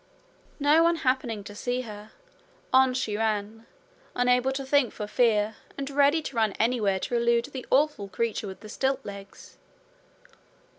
No one happening to see her, on she ran, unable to think for fear, and ready to run anywhere to elude the awful creature with the stilt legs.